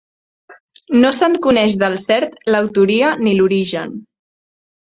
No se'n coneix del cert l'autoria ni l'origen.